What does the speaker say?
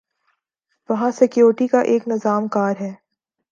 وہاں سکیورٹی کا ایک نظام کار ہے۔